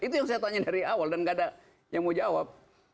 itu yang saya tanya dari awal dan gak ada yang mau jawab